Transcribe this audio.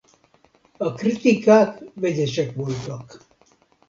A kritikák vegyesek voltak.